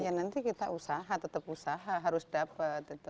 ya nanti kita usaha tetap usaha harus dapat